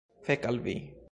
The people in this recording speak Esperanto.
Fek' al vi